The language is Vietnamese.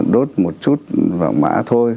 đốt một chút vào mã thôi